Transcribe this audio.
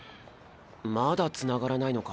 まだつながらないのか？